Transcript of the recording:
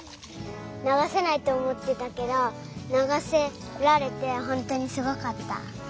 ながせないっておもってたけどながせられてほんとにすごかった。